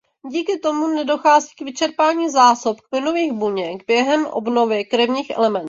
Díky tomu nedochází k vyčerpání zásob kmenových buněk během obnovy krevních elementů.